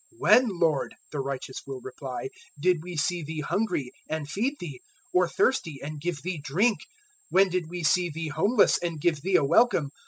025:037 "`When, Lord,' the righteous will reply, `did we see Thee hungry, and feed Thee; or thirsty, and give Thee drink? 025:038 When did we see Thee homeless, and give Thee a welcome?